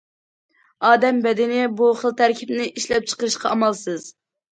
ئادەم بەدىنى بۇ خىل تەركىبنى ئىشلەپچىقىرىشقا ئامالسىز.